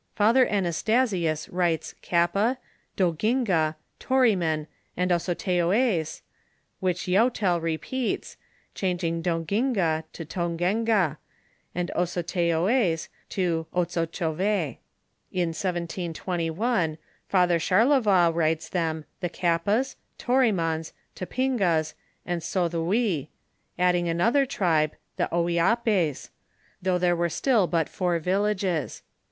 Father AiTastasius writes Kappa, Do ginga,43?oriman, and Osottooez, wiiich Joutol repeats, changing Doginga to Ton gengn, nnd Osotteoez to Otsotchove. In 1721, Father Charlevoix writes them the Kappas, Toremans, Topingas, and Sothouis, adding another tribe, the Ouya pes, though there were stillabut four villages.